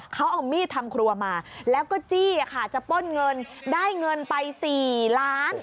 เขาเอามีดทำครัวมาแล้วก็จี้ค่ะจะป้นเงินได้เงินไป๔ล้าน